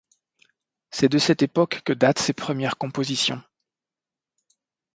C'est de cette époque que datent ses premières compositions.